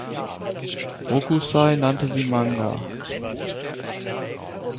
Hokusai nannte sie Manga.